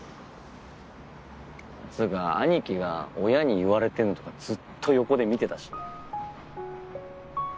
つうか兄貴が親に言われてんのとかずっと横で見てたし。